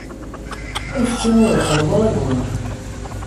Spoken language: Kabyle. Ayefki ur ixelleḍ ara d waman.